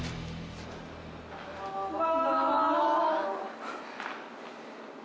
こんばんは。